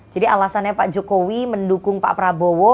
jadi alasannya pak jokowi mendukung pak prabowo